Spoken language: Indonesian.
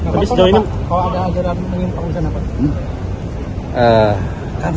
jadi sejauh ini kalau ada ajaran mengimpakan apa